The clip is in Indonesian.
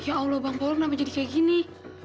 waduh berani berani ya nih